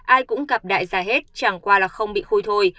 ai cũng cặp đại gia hết chẳng qua là không bị khui thôi